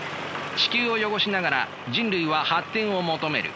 地球を汚しながら人類は発展を求める。